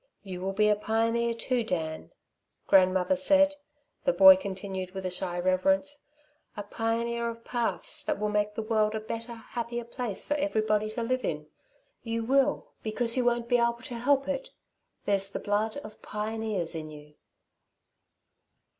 "'You will be a pioneer too, Dan,' grandmother said," the boy continued with a shy reverence, "'a pioneer of paths that will make the world a better, happier place for everybody to live in. You will, because you won't be able to help it. There's the blood of pioneers in you.'"